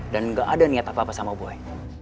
dan gak ada niat apa apa sama boy